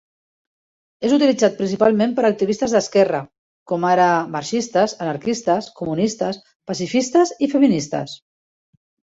És utilitzat principalment per activistes d'esquerra, com ara: marxistes, anarquistes, comunistes, pacifistes i feministes.